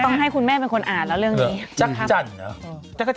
ต้องให้คุณแม่เป็นคนอ่านแล้วเรื่องนี้